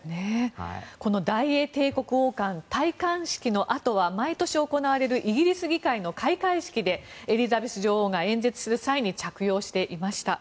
大英帝国王冠戴冠式のあとは毎年行われるイギリス議会の開会式でエリザベス女王が演説する際に着用していました。